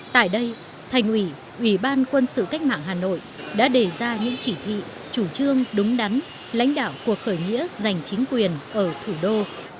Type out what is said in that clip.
tại đây thành ủy ủy ban quân sự cách mạng hà nội đã đề ra những chỉ thị chủ trương đúng đắn lãnh đạo cuộc khởi nghĩa giành chính quyền ở thủ đô